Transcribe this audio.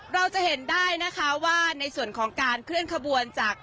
เราจะเห็นได้นะคะว่าในส่วนของการเคลื่อนขบวนจาก